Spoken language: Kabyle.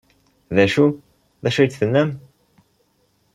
D acu? D acu ay d-tennam?